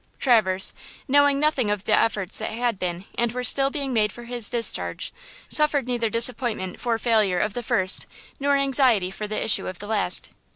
Traverse, knowing nothing of the efforts that had been and were still being made for his discharge, suffered neither disappointment for failure of the first nor anxiety for the issue of the last.